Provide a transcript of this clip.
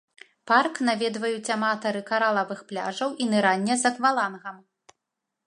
Парк наведваюць аматары каралавых пляжаў і нырання з аквалангам.